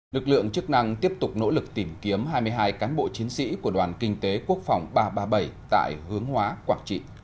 lực lượng chức năng tiếp tục nỗ lực tìm kiếm hai mươi hai cán bộ chiến sĩ của đoàn kinh tế quốc phòng ba trăm ba mươi bảy tại hướng hóa quảng trị